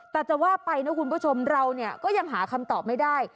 แต่จะว่าไปนะคุณผู้ชมเราเนี่ยก็ยังหาคำตอบไม่ได้